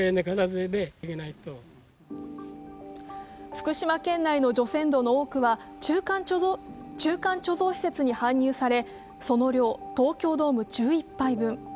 福島県内の除染土の多くは中間貯蔵施設に搬入されその量、東京ドーム１１杯分。